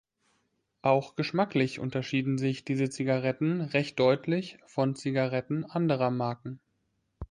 Auch geschmacklich unterscheiden sich diese Zigaretten recht deutlich von Zigaretten anderer Marken.